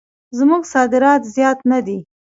زموږ صادرات زیات نه دي.